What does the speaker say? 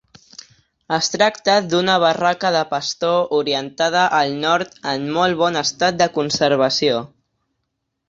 Es tracta d'una barraca de pastor orientada al nord en molt bon estat de conservació.